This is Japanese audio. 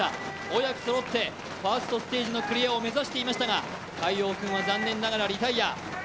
親子そろって、ファーストステージのクリアを目指していましたが塊王君は残念ながらリタイア。